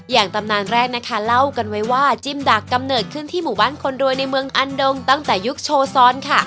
ตำนานแรกนะคะเล่ากันไว้ว่าจิ้มดักกำเนิดขึ้นที่หมู่บ้านคนรวยในเมืองอันดงตั้งแต่ยุคโชซอนค่ะ